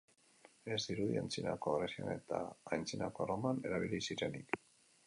Ez dirudi Antzinako Grezian eta Antzinako Erroman erabili zirenik.